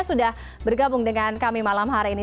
sudah bergabung dengan kami malam hari ini